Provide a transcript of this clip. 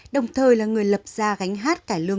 đồng thời là người lập ra gánh hát cải lương